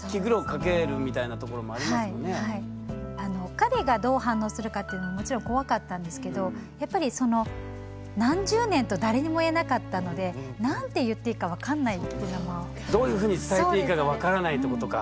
彼がどう反応するかっていうのももちろん怖かったんですけどやっぱりその何十年と誰にも言えなかったのでどういうふうに伝えていいかが分からないってことか。